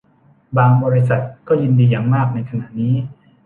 บาง บริษัท ก็ยินดีอย่างมากในขณะนี้